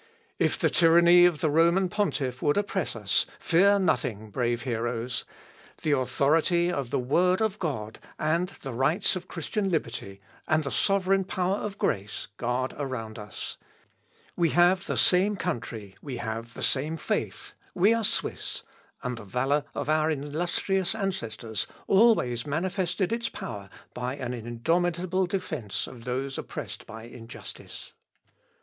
If the tyranny of the Roman pontiff would oppress us, fear nothing, brave heroes! The authority of the Word of God, the rights of Christian liberty, and the sovereign power of grace, guard around us. We have the same country, we have the same faith, we are Swiss, and the valour of our illustrious ancestors always manifested its power by an indomitable defence of those oppressed by injustice."